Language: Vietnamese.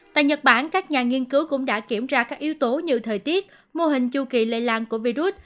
tại nhật bản các nhà nghiên cứu cũng đã kiểm tra các yếu tố như thời tiết mô hình chu kỳ lây lan của virus